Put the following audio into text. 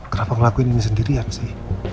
kenapa ngelakuin ini sendirian sih